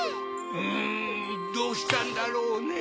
うんどうしたんだろうねぇ。